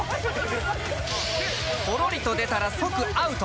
ポロリと出たら即アウト！